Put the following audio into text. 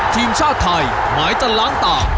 ทีมชาติไทยหมายจะล้างตา